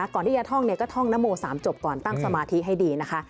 ก่อนที่จะท่องก็ท่องนโม๓จบก่อนตั้งสมาธิให้ดีนะคะ